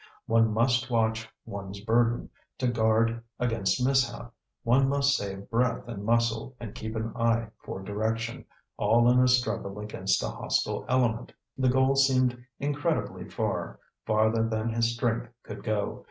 One must watch one's burden, to guard against mishap; one must save breath and muscle, and keep an eye for direction, all in a struggle against a hostile element. The goal still seemed incredibly far, farther than his strength could go.